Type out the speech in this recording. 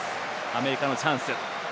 アメリカのチャンス。